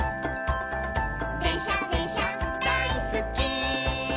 「でんしゃでんしゃだいすっき」